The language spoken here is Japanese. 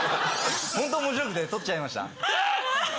ホント面白くて撮っちゃいました。